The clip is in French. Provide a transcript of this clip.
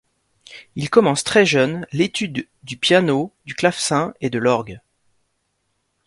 Il commence très jeune l'étude du piano, du clavecin et de l'orgue.